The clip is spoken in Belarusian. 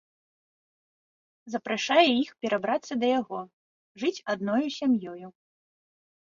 Запрашае іх перабрацца да яго, жыць адною сям'ёю.